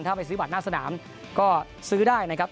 ถ้าไปซื้อบัตรหน้าสนามก็ซื้อได้นะครับ